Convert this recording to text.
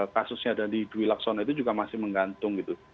kasusnya dandi dwi laksono itu juga masih menggantung gitu